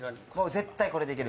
絶対これでいける。